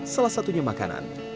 salah satunya makanan